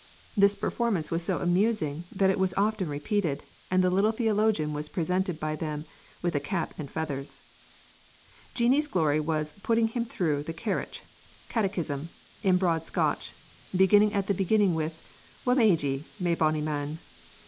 This performance was so amusing that it was often repeated, and the little theologian was presented by them with a cap and feathers. Jeanie's glory was "putting him through the carritch" (catechism) in broad Scotch, beginning at the beginning with "Wha made ye, ma bonnie man?"